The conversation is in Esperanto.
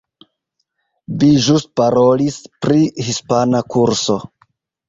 Vi ĵus parolis pri hispana kurso.